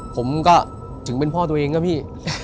ผมก็ถึงเป็นพ่อตัวเองก็พี่